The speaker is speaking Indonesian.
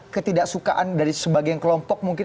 ketidaksukaan dari sebagian kelompok mungkin